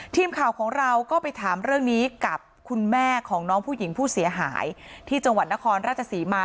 ทีมข่าวของเราก็ไปถามเรื่องนี้กับคุณแม่ของน้องผู้หญิงผู้เสียหายที่จังหวัดนครราชศรีมา